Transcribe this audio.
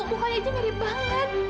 bukannya itu mirip banget